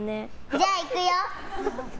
じゃあ、いくよ！